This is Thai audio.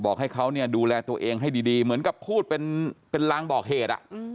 ให้เขาเนี่ยดูแลตัวเองให้ดีเหมือนกับพูดเป็นลางบอกเหตุ